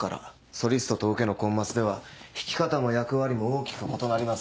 ソリストとオケのコンマスでは弾き方も役割も大きく異なります。